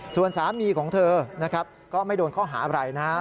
ส่วนสามีของเธอนะครับก็ไม่โดนข้อหาอะไรนะครับ